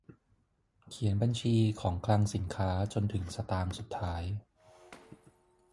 เขียนบัญชีของคลังสินค้าจนถึงสตางค์สุดท้าย